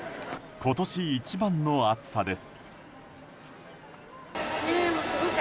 今年一番の暑さです。